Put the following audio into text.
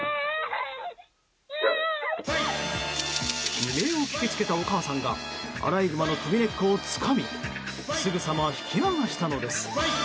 悲鳴を聞きつけたお母さんがアライグマの首根っこをつかみすぐさま引き剥がしたのです。